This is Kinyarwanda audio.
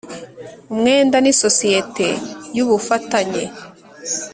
Umwenda n isosiyete y ubufatanye